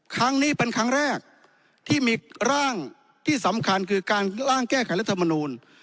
ครั้งนี้เป็นครั้งแรกที่มีร่างที่สำคัญคือการร่างแก้ไขรัฐมนูล